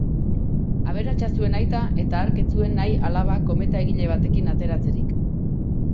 Aberatsa zuen aita eta hark ez zuen nahi alaba kometa egile batekin ateratzerik.